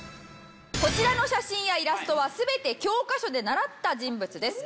こちらの写真やイラストは全て教科書で習った人物です。